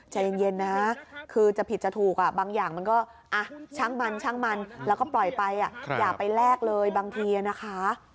ใจเย็นนะคือจะผิดจะถูกบางอย่างมันก็ช่างมันช่างมันแล้วก็ปล่อยไปอย่าไปแลกเลยบางทีนะคะ